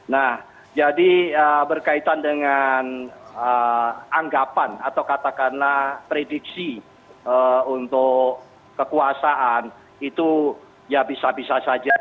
nah jadi berkaitan dengan anggapan atau katakanlah prediksi untuk kekuasaan itu ya bisa bisa saja